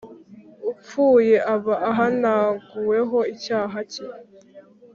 Upfuye aba ahanaguweho icyaha cye